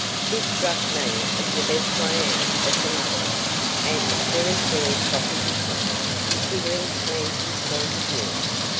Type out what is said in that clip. This struck me as the best way out of the muddle, and a very fair proposition, considering Clancy's point of view.